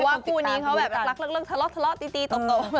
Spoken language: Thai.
เพราะว่าคู่นี้เขาแบบเลิกเลิกเลิกทะเลาะทะเลาะตีตีตบ